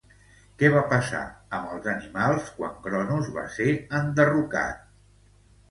Què va passar amb els animals quan Cronos va ser enderrocat?